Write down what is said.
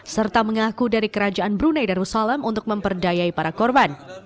serta mengaku dari kerajaan brunei darussalam untuk memperdayai para korban